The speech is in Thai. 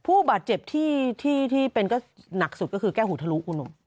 ผู้บาดเจ็บที่เป็นก็หนักสุดก็คือแก้หูทะลุคุณหนุ่ม